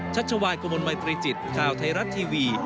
ชัชวายกมลไมตริจิตข่าวไทรัตทีวี